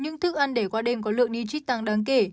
những thức ăn để qua đêm có lượng nichit tăng đáng kể